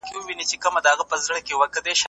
یوه میاشت وروسته به حیران سئ.